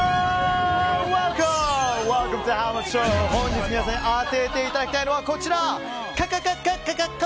本日皆さんに当てていただきたいのはこちら。